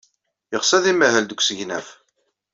Yeɣs ad imahel deg usegnaf.